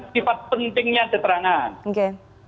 sifat pentingnya keterangan